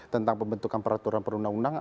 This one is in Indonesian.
tentang pembentukan peraturan perundang undang